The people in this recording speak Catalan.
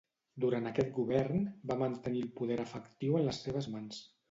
Durant aquest govern, va mantenir el poder efectiu en les seves mans.